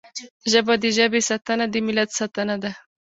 ژبه د ژبې ساتنه د ملت ساتنه ده